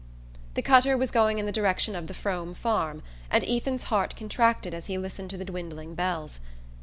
The cutter was going in the direction of the Frome farm, and Ethan's heart contracted as he listened to the dwindling bells.